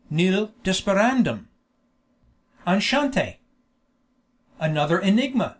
Nil desperandum!_ "Enchante!" "Another enigma!"